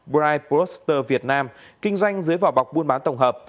bright poster việt nam kinh doanh dưới vỏ bọc buôn bán tổng hợp